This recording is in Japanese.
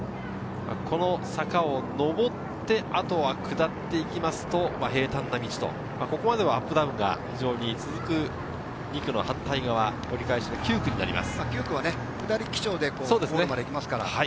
この坂を上った後は下っていくと、平たんな道と、ここまではアップダウンが非常に続く、２区の反対側、折り返しの９区になります。